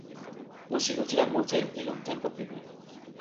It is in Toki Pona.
musi utala mute li lon tenpo pini.